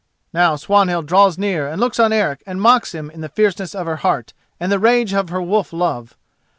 Now Swanhild draws near and looks on Eric and mocks him in the fierceness of her heart and the rage of her wolf love.